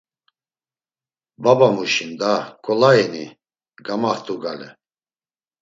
Babamuşi’n da ǩolai’ni; gamaxt̆u gale.